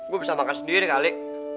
gue bisa makan sendiri kali